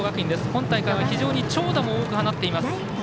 今大会は非常に長打も多く放っています。